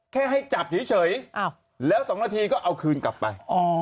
ให้จับเฉยแล้ว๒นาทีก็เอาคืนกลับไป